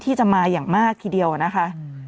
ที่จะมาอย่างมากทีเดียวนะคะ